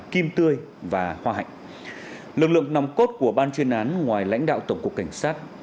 kim tươi và hoa hạnh lực lượng nòng cốt của ban chuyên án ngoài lãnh đạo tổng cục cảnh sát